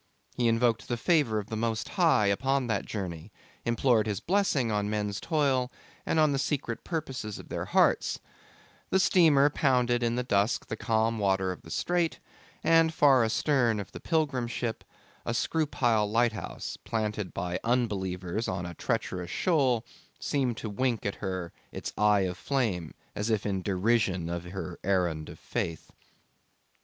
He invoked the favour of the Most High upon that journey, implored His blessing on men's toil and on the secret purposes of their hearts; the steamer pounded in the dusk the calm water of the Strait; and far astern of the pilgrim ship a screw pile lighthouse, planted by unbelievers on a treacherous shoal, seemed to wink at her its eye of flame, as if in derision of her errand of faith.